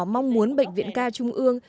mong muốn bệnh viện ca trung ương